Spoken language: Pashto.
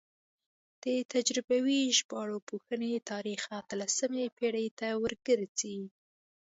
د تجربوي ژبارواپوهنې تاریخ اتلسمې پیړۍ ته ورګرځي